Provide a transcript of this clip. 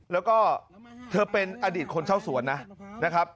แล้วก็เธอเป็นอดีตคนเช่าสวนนะครับ